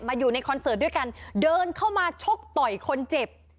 อยู่ในคอนเสิร์ตด้วยกันเดินเข้ามาชกต่อยคนเจ็บ